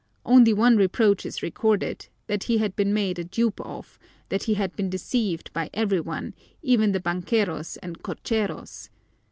Only one reproach is recorded: that he had been made a dupe of, that he had been deceived by every one, even the bankeros and cocheros.